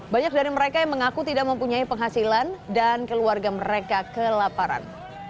banyak dari mereka yang mengaku tidak mempunyai penghasilan dan keluarga mereka kelaparan